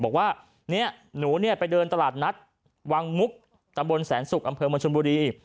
บอกว่าเนี่ยหนูเนี่ยไปเดินตลาดนัดวังมุกตำบลแสนสุกอำเภอเมืองชนบุรี